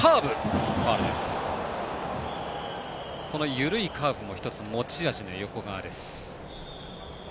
緩いカーブも持ち味の横川です。